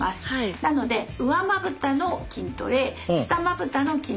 なので上まぶたの筋トレ下まぶたの筋トレ。